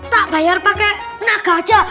tak bayar pakai nak aja